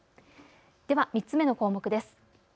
では３つ目の項目です。